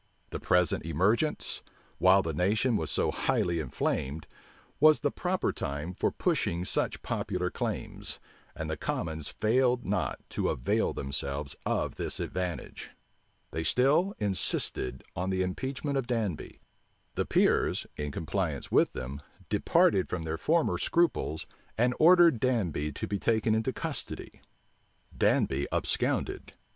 The present emergence, while the nation was so highly inflamed, was the proper time for pushing such popular claims; and the commons failed not to avail themselves of this advantage. They still insisted On the impeachment of Danby. The peers, in compliance with them, departed from their former scruples, and ordered Danby to be taken into custody. Danby absconded.